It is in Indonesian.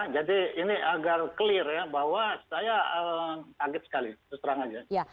jadi ini agar clear ya bahwa saya kaget sekali terus terang aja